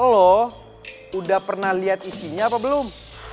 lo udah pernah liat isinya apa belum